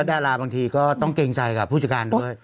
ดาราบางทีก็ต้องเกรงใจกับผู้จัดการด้วย